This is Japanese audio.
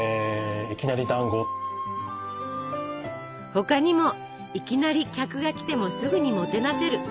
他にも「いきなり」客が来てもすぐにもてなせる。